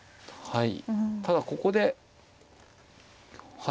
はい。